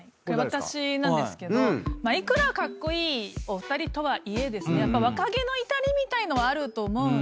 私なんですけどいくらカッコイイお二人とはいえやっぱ若気の至りみたいのはあると思うんで。